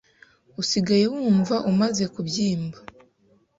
Usigaye wumva umaze kubyimba